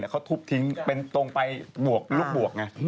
เขาทุบทิ้งเป็นตรงไปบวกลูกบวกไง